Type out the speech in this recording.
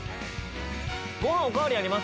ご飯お代わりあります？